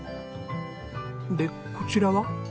でこちらは？